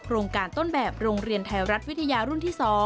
โรงการต้นแบบโรงเรียนไทยรัฐวิทยารุ่นที่๒